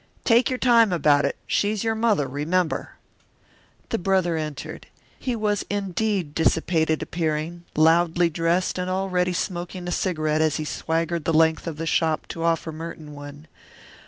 "Take your time about it she's your mother, remember." The brother entered. He was indeed dissipated appearing, loudly dressed, and already smoking a cigarette as he swaggered the length of the shop to offer Merton one.